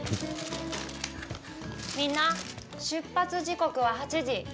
みんな、出発時刻は８時。